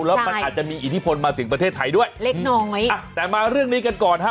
แล้วมันอาจจะมีอิทธิพลมาถึงประเทศไทยด้วยเล็กน้อยอ่ะแต่มาเรื่องนี้กันก่อนฮะ